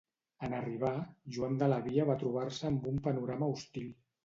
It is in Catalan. En arribar, Joan de la Via va trobar-se amb un panorama hostil.